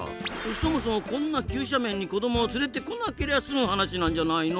そもそもこんな急斜面に子どもを連れてこなけりゃすむ話なんじゃないの？